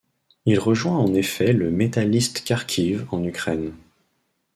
Il rejoint en effet le Metalist Kharkiv en Ukraine.